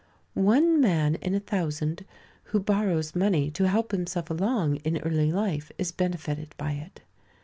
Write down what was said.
One man in a thousand who borrows money to help himself along in early life is benefited by it.